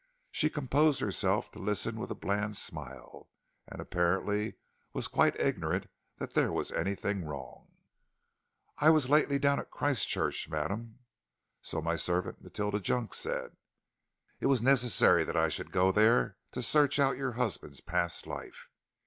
She composed herself to listen with a bland smile, and apparently was quite ignorant that there was anything wrong. "I was lately down at Christchurch, madam " "So my servant, Matilda Junk, said." "It was necessary that I should go there to search out your husband's past life.